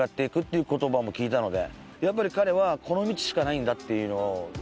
いう言葉も聞いたので。